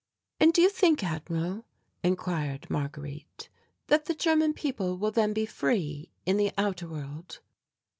"And do you think, Admiral," inquired Marguerite, "that the German people will then be free in the outer world?"